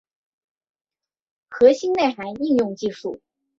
核心内涵应用技术